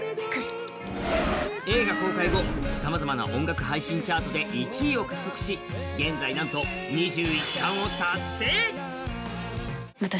映画公開後、さまざまな音楽配信チャートで１位を獲得し、現在なんと２１冠を達成。